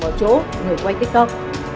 không có chỗ người quay tiktok